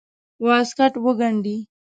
واسکټ وګنډي.